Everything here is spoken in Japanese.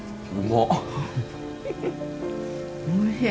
おいしい！